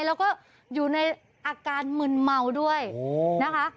แล้วก็อยู่ในอาการมึนเมาด้วยนะคะ